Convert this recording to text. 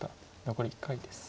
残り１回です。